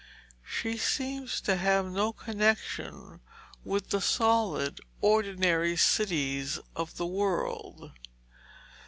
She seems to have no connection with the solid, ordinary cities of the world.